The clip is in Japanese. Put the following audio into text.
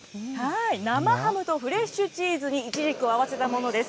生ハムとフレッシュチーズにいちじくを合わせたものです。